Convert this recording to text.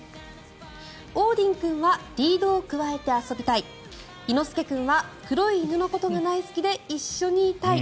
オーディン君はリードをくわえて遊びたい猪之助君は黒い犬のことが大好きで一緒にいたい